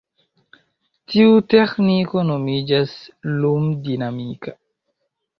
Tiu teĥniko nomiĝas "lum-dinamika".